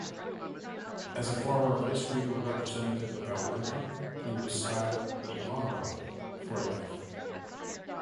As a former vice-regal representative of Alberta, he was styled "The Honourable" for life.